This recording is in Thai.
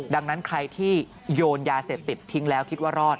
ดังนั้นใครที่โยนยาเสพติดทิ้งแล้วคิดว่ารอด